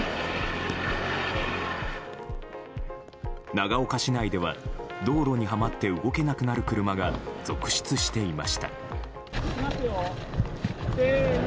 長岡市内では道路にはまって動けなくなる車が続出していました。